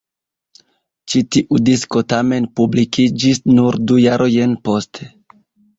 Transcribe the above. Ĉi tiu disko tamen publikiĝis nur du jarojn poste.